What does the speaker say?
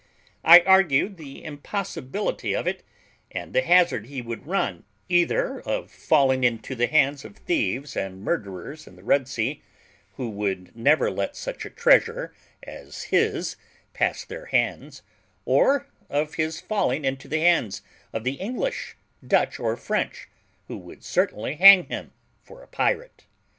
I argued the impossibility of it, and the hazard he would run, either of falling into the hands of thieves and murderers in the Red Sea, who would never let such a treasure as his pass their hands, or of his falling into the hands of the English, Dutch, or French, who would certainly hang him for a pirate.